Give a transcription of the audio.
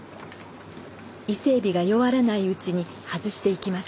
伊勢エビが弱らないうちに外していきます。